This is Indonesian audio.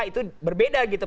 itu berbeda gitu